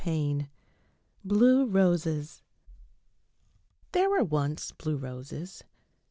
XIV BLUE ROSES THERE were once blue roses.